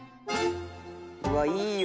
うわっいいよ！